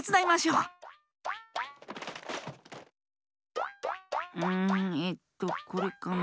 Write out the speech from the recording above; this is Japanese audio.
うんえっとこれかな？